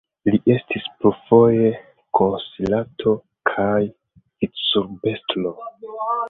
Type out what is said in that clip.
Li estis plurfoje konsilanto, kaj vicurbestro.